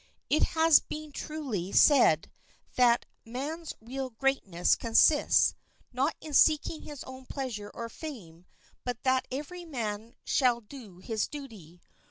It has been truly said that man's real greatness consists, not in seeking his own pleasure or fame, but that every man shall do his duty.